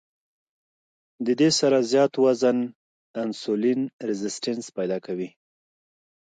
د دې سره زيات وزن انسولين ريزسټنس پېدا کوي